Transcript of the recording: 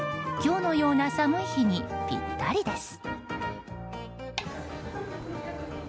今日のような寒い日にぴったりです。